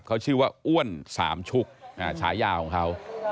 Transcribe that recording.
เขาชื่อว่าอ้วนสามชุกฉายาของเขา